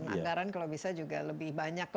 anggaran kalau bisa juga lebih banyak